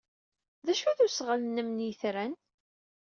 D acu-t usɣel-nnem n yitran?